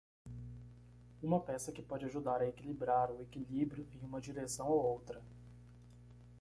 Uma peça que pode ajudar a equilibrar o equilíbrio em uma direção ou outra.